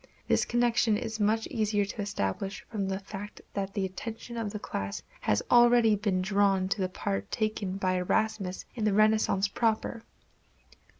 This connection is much easier to establish from the fact that the attention of the class has already been drawn to the part taken by Erasmus in the Renaissance proper.